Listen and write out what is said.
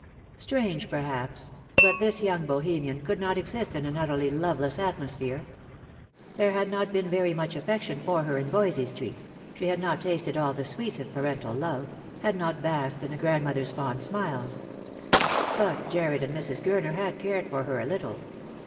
Strange, perhaps, but this young Bohemian could not exist in an utterly loveless atmosphere. There had not been very much affection for her in Voysey street ; she had not tasted all the sweets of parental love ; had not basked in a grandmother's fond smiles. But Jarred and Mrs. Gurner had cared for her a little.